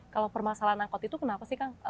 kalau permasalahan angkot itu kenapa sih kang